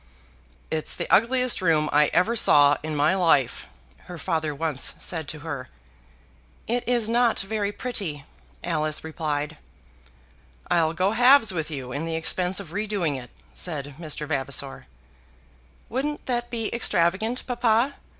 "It's the ugliest room I ever saw in my life," her father once said to her. "It is not very pretty," Alice replied. "I'll go halves with you in the expense of redoing it," said Mr. Vavasor. "Wouldn't that be extravagant, papa?